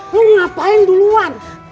lu ngapain duluan